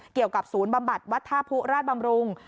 เกี่ยวกับศูนย์บำบัดวัดท่าผู้ราชบำรุง